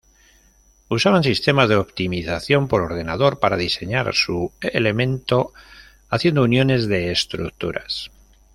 Usaban sistemas de optimización por ordenador para diseñar su elemento, haciendo uniones de estructuras.